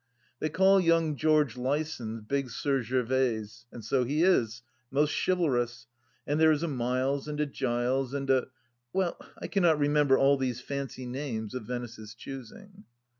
They call young George Lysons " Big Sir Gervaise "; and so he is, most chivalrous ; and there is a Miles and a Giles and a — well, I cannot remember all these fancy names of Venice's choosing.